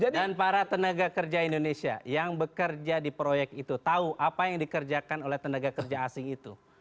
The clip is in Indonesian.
dan para tenaga kerja indonesia yang bekerja di proyek itu tahu apa yang dikerjakan oleh tenaga kerja asing itu